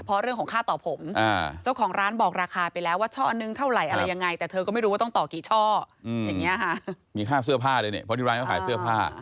เพราะที่ร้านก็ขายเสื้อผ้า